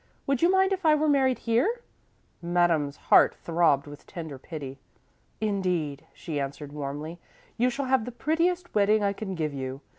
Would you mind if I were married here?" Madame's heart throbbed with tender pity. "Indeed," she answered, warmly, "you shall have the prettiest wedding I can give you.